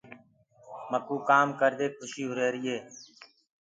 مڪوُ ڪآم ڪردي کُشي هوريري هي۔